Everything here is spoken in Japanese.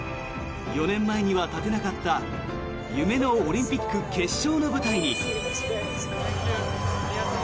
４年前には立てなかった夢のオリンピック決勝の舞台に。